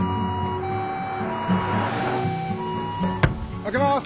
開けます。